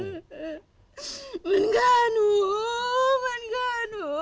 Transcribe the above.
มันฆ่าหนู